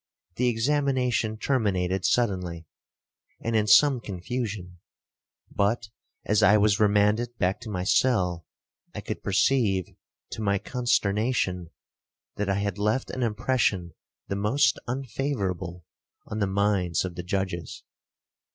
The examination terminated suddenly, and in some confusion; but, as I was remanded back to my cell, I could perceive, to my consternation, that I had left an impression the most unfavourable on the minds of the judges.